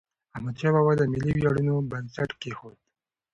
احمدشاه بابا د ملي ویاړونو بنسټ کېښود.